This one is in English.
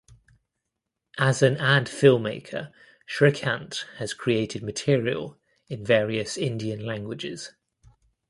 As an ad filmmaker Srikant has created material in various Indian languages.